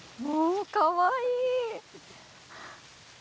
もうかわいい！